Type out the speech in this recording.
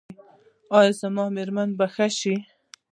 ایا زما میرمن به ښه شي؟